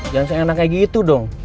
jangan seenak kayak gitu dong